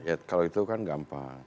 ya kalau itu kan gampang